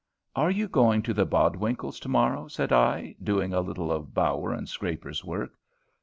"Are you going to the Bodwinkles' to morrow?" said I, doing a little of Bower and Scraper's work.